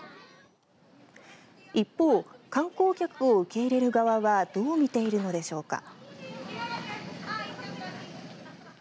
一方、観光客を受け入れる側はどう見ているのでしょうか。